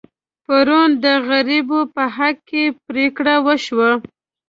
پرون د غریبو په حق کې پرېکړه وشوه.